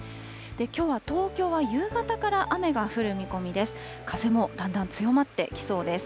きょうは東京は夕方から雨が降る見込みです。